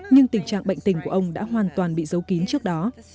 nhưng tình trạng bệnh tình của ông đã hoàn toàn bị giấu kín trước đó